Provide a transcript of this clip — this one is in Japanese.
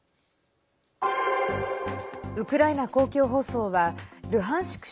ウクライナ公共放送はルハンシク